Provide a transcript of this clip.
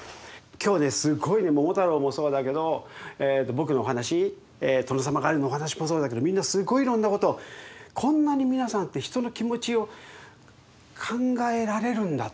今日すごいね「桃太郎」もそうだけど僕のお話トノサマガエルのお話もそうだけどみんなすごいいろんなことこんなに皆さんって人の気持ちを考えられるんだって思いました。